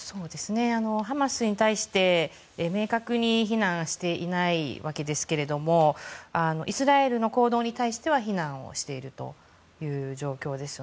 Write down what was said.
ハマスに対して明確に非難していないわけですけどもイスラエルの行動に対しては非難しているという状況です。